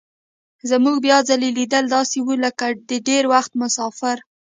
زموږ بیا ځلي لیدل داسې وو لکه د ډېر وخت مسافر.